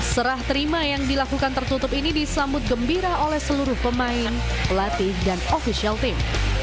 serah terima yang dilakukan tertutup ini disambut gembira oleh seluruh pemain pelatih dan ofisial team